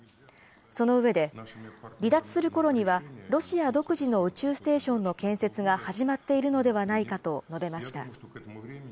その上で、離脱するころにはロシア独自の宇宙ステーションの建設が始まっているのではないかと述べました。